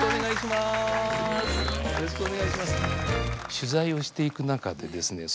取材をしていく中でですね